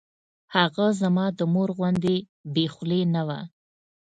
هغه زما د مور غوندې بې خولې نه وه.